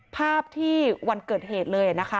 ภาพที่วันเกิดเหตุเลยนะคะ